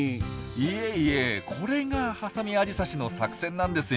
いえいえこれがハサミアジサシの作戦なんですよ。